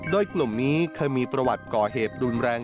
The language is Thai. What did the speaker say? โดยกลุ่มนี้เคยมีประวัติก่อเหตุรุนแรง